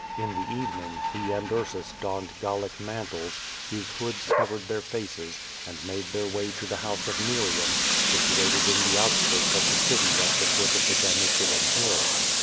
In the evening, he and Ursus donned Gallic man tles, whose hoods covered their faces, and made their way to the house of ^firiam, situated in the outskirts of the city at the foot of the Janiculum Hill.